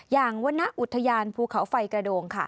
อย่างวรรณอุทยานภูเขาไฟกระโดง